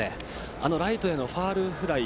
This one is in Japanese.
あのライトへのファウルフライ。